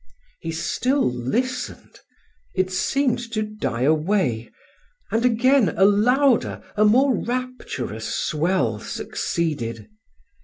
He still listened it seemed to die away and again a louder, a more rapturous swell, succeeded.